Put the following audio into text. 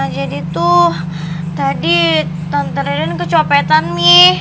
jadi tuh tadi tante reden kecopetan mi